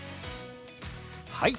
はい！